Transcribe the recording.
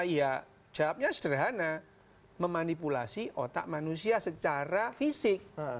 ya jawabnya sederhana memanipulasi otak manusia secara fisik